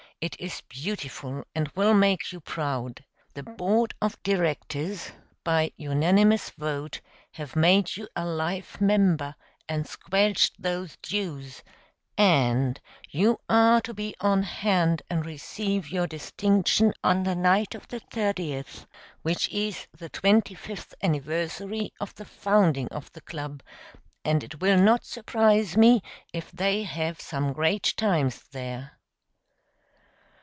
It is beautiful, and will make you proud. The Board of Directors, by unanimous vote, have made you a life member, and squelched those dues; and, you are to be on hand and receive your distinction on the night of the 30th, which is the twenty fifth anniversary of the founding of the club, and it will not surprise me if they have some great times there."